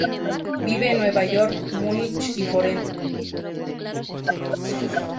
Vive en Nueva York, Múnich y Florence.